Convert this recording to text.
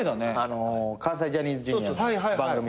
関西ジャニーズＪｒ．の番組で。